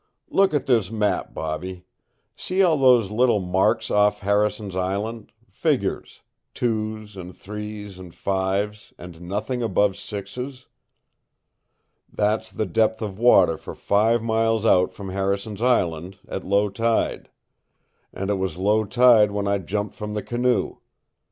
"Look at this map, Bobby. See all those little marks off Harrison's Island figures twos and threes and fives, and nothing above sixes? That's the depth of water for five miles out from Harrison's Island, at low tide; and it was low tide when I jumped from the canoe.